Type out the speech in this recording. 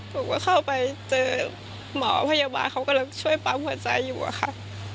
หนูก็เข้าไปเจอหมอพยาบาลเขากำลังช่วยปั๊มหัวใจอยู่อะค่ะ